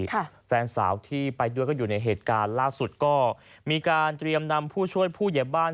แฟนสาวที่ไปด้วยก็อยู่ในเหตุการณ์ล่าสุดก็มีการเตรียมนำผู้ช่วยผู้เหยียบบ้าน